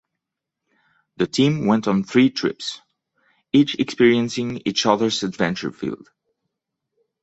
The team went on three trips, each experiencing each other's adventure field.